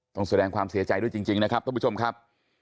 ต้องแสดงความเสียใจด้วยจริงนะครับท่านผู้ชมครับ